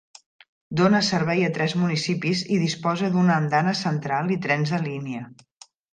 Dona servei a tres municipis i disposa d'una andana central i trens de línia.